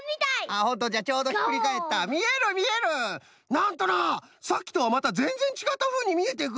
なんとなさっきとはまたぜんぜんちがったふうにみえてくる。